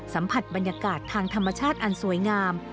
สัมผัสบรรยากาศทางธรรมชาติอันสวยงาม